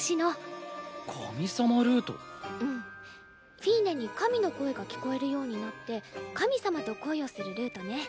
フィーネに神の声が聞こえるようになって神様と恋をするルートね。